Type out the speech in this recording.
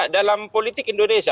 dalam politik indonesia